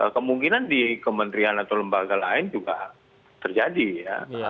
kemungkinan di kementerian atau lembaga lain juga terjadi ya